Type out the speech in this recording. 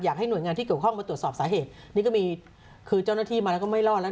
อยากให้หน่วยงานที่เกี่ยวข้องมาตรวจสอบสาเหตุนี่ก็มีคือเจ้าหน้าที่มาแล้วก็ไม่รอดแล้ว